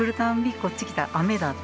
こっち来たら雨だって。